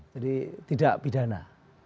jadi tidak pidana